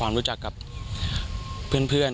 สมุทรสอนยังแข็งแรง